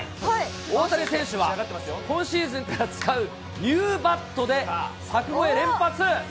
大谷選手は今シーズンから使うニューバットで柵越え連発。